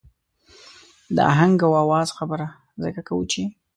د آهنګ او آواز خبره ځکه کوو چې.